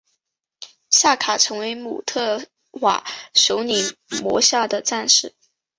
夏卡成为姆特瓦首领麾下的战士。